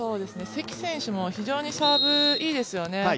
関選手も非常にサーブ、いいですよね。